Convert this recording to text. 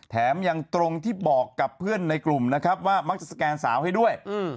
แถมยังตรงที่บอกกับเพื่อนในกลุ่มนะครับว่ามักจะสแกนสาวให้ด้วย